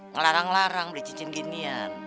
ngelarang larang beli cincin ginian